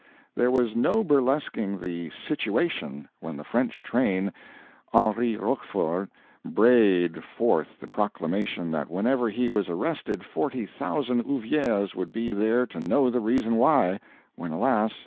There was no burlesquing the "situation" when the French Train, Henri Rochefort, brayed forth the proclamation that whenever he was arrested forty thousand ouviers would be there to know the reason why—when, alas!